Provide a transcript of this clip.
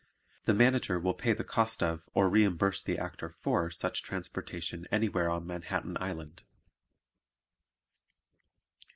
The Manager will pay the cost of or reimburse the Actor for such transportation anywhere on Manhattan Island.